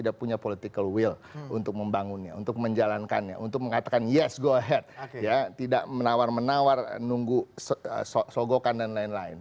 kita main kesana jangan gak usah main main